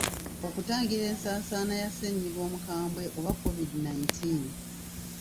Okutangira ensaasaana ya ssennyiga omukambwe oba Kovidi nineteen.